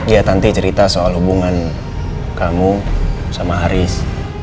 iya tanti cerita soal hubungan kamu sama haris